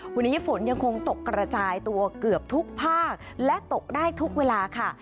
วันนี้ฝนยังคงตกกระจายตัวเกือบทุกภาคและตกได้ทุกเวลาค่ะ